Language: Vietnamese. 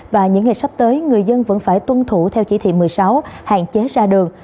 và những ngày sắp tới người dân vẫn phải tuân thủ theo chỉ thị một mươi sáu hạn chế ra đường